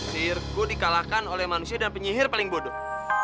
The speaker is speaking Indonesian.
sirku dikalahkan oleh manusia dan penyihir paling bodoh